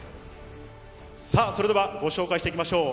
さあ、それではご紹介していきましょう。